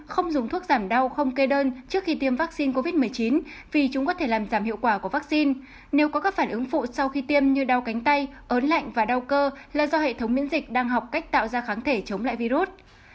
không dùng thuốc giảm đau không kê đơn trước khi tiêm vaccine covid một mươi chín vì chúng có thể làm giảm hiệu quả của vaccine nếu có các phản ứng phụ sau khi tiêm như đau cánh tay ớn lạnh và đau cơ là do hệ thống miễn dịch đang học cách tạo ra kháng thể chống lại virus